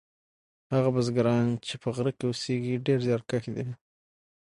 هغه بزګران چې په غره کې اوسیږي ډیر زیارکښ دي.